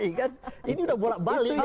ini udah bolak balik